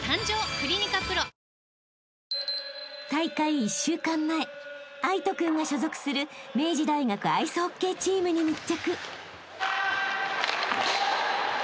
［大会１週間前藍仁君が所属する明治大学アイスホッケーチームに密着］